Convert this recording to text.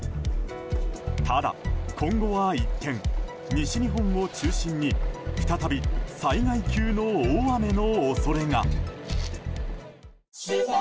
ただ今後は一転、西日本を中心に再び災害級の大雨の恐れが。